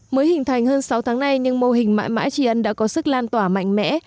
mới hình thành hơn sáu tháng nay nhưng mô hình mãi mãi tri ân đã có sức lan tỏa mạnh mẽ